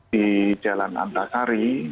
di jalan antasari